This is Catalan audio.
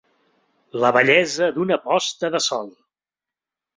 La bellesa d'una posta de sol.